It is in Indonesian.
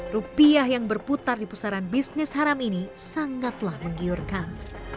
rupiah yang berputar di pusaran bisnis haram ini sangatlah menggiurkan